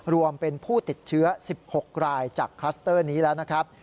รวมเป็นผู้ติดเชื้อ๑๖รายจากคลัสเตอร์นี้แล้วนะครับ